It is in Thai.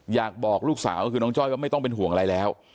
อยากบอกลูกสาวก็คือน้องจ้อยว่าไม่ต้องเป็นห่วงอะไรแล้ว